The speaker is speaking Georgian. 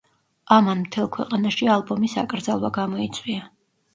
ამან მთელ ქვეყანაში ალბომის აკრძალვა გამოიწვია.